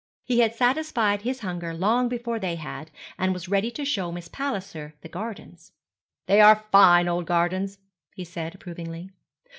He had satisfied his hunger long before they had, and was ready to show Miss Palliser the gardens. 'They are fine old gardens,' he said, approvingly.